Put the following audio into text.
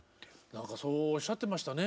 何かそうおっしゃってましたね。